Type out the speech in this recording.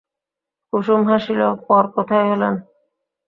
কুসুম হাসিল, পর কোথায় হলেন?